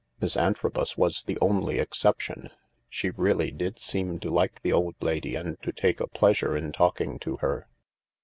MissAntrobus was the only exception : she really did seem to like the old lady and to take a pleasure in talking to her.